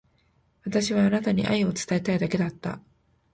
私はあなたに愛を伝えたいだけだった。